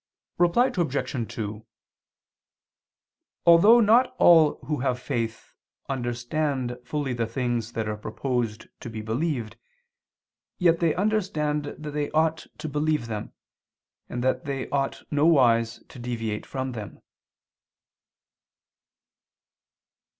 Reply Obj. 2: Although not all who have faith understand fully the things that are proposed to be believed, yet they understand that they ought to believe them, and that they ought nowise to deviate from them.